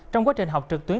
trong quá trình học trực tuyến